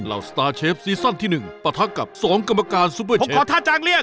เราสตาร์เชฟซีซั่นที่๑ประทักกับ๒กรรมการซูเปอร์เชฟผมขอท่าจางเลี่ยง